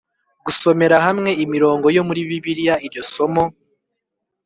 gusomera hamwe imirongo yo muri Bibiliya iryo somo